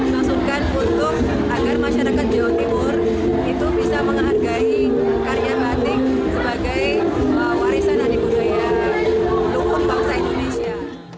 maksudkan agar masyarakat jawa timur bisa menghargai karya batik sebagai warisan adik budaya lukum bangsa indonesia